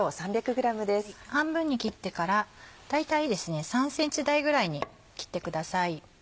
半分に切ってから大体ですね３ｃｍ大ぐらいに切ってください。